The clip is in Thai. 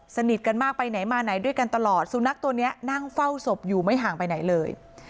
สนิทกันมากไปไหนมาไหนด้วยกันตลอดสุนัขตัวนี้นั่งเฝ้าศพอยู่ไม่ห่างไปไหนเลย